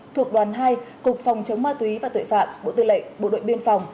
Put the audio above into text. thuộc đoàn hai cục phòng chống ma túy và tuệ phạm bộ tư lệ bộ đội biên phòng